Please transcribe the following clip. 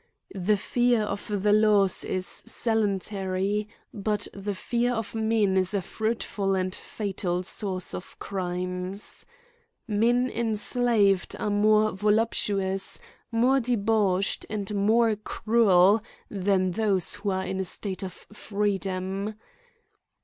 The fear of the laws is saluntary, but the fear of men is a fruitful and fatal source of crimes. Men enslaved are more voluptuous, more del5auched^ and more cruel than those who are in a state of freedom.